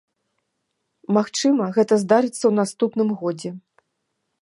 Магчыма, гэта здарыцца ў наступным годзе.